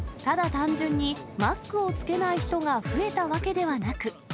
単純に、マスクを着けない人が増えたわけではなく。